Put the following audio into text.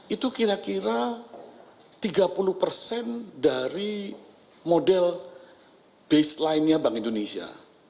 itu kira kira tiga puluh persen dari model baseline nya bank indonesia